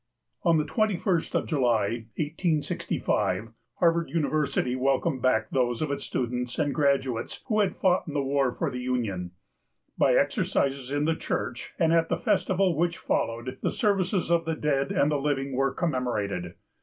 [On the 21st of July, 1865, Harvard University welcomed back those of its students and graduates who had fought in the war for the Union. By exercises in the church and at the festival which followed, the services of the dead and the living were commemorated.